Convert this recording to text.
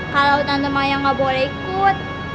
kalau tante maya gak boleh ikut